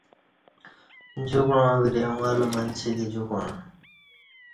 جوکُعاں وری اُݣہ لہ ماچ دی جوکُع